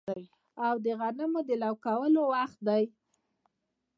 او د غنمو د لو کولو وخت دی